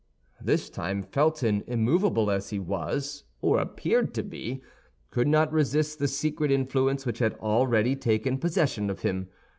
This time Felton, immovable as he was, or appeared to be, could not resist the secret influence which had already taken possession of him.